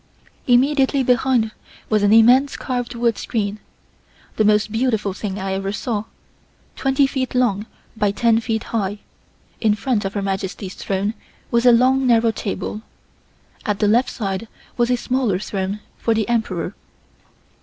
Immediately behind was an immense carved wood screen, the most beautiful thing I ever saw, twenty feet long by ten feet high. In front of Her Majesty's throne was a long narrow table. At the left side was a smaller throne for the Emperor.